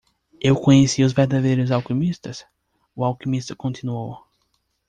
"Eu conheci os verdadeiros alquimistas?" o alquimista continuou.